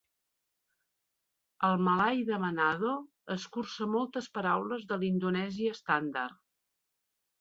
El malai de Manado escurça moltes paraules de l'indonesi estàndard.